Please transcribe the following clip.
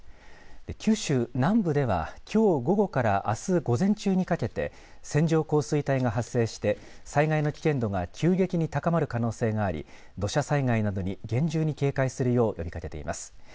九州南部ではきょう午後からあす午前中にかけて線状降水帯が発生して災害の危険度が急激に高まる可能性があり土砂災害などに厳重に警戒するよう呼びかけています。